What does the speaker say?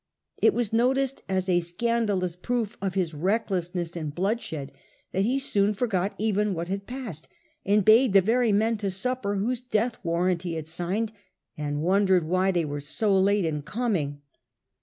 It was noticed as a scandalous proof of his vvhosoon recklessness in bloodshed that he soon for got even what had passed, and bade the the fataT^^" ver)'^ men to supper whose death warrant °*'^®*'* he had signed, and wondered why they were so late in coming.